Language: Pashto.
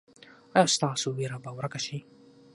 ایا ستاسو ویره به ورکه شي؟